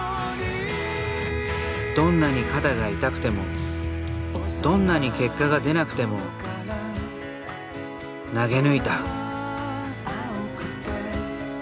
どんなに肩が痛くてもどんなに結果が出なくても投げ抜いた。